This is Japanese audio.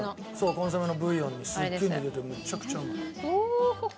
コンソメのブイヨンにすげえ似ててめちゃくちゃうまい。